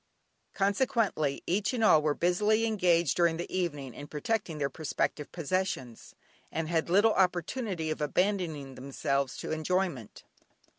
Consequently, each and all were busily engaged during the evening in protecting their prospective possessions, and had little opportunity of abandoning themselves to enjoyment.